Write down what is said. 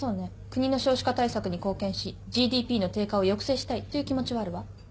国の少子化対策に貢献しＧＤＰの低下を抑制したいという気持ちはあるわ。